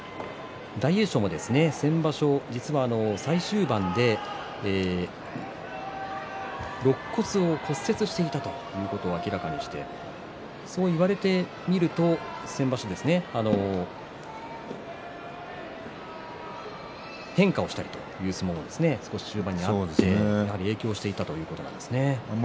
大栄翔も先場所、実は最終盤でろっ骨を骨折していたということを明らかにしてそう言われてみると先場所は変化をしたりという相撲も少し終盤にあって影響していたということなんですね。